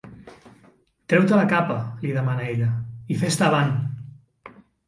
—Trau-te la capa— li demana ella. —I festa avant!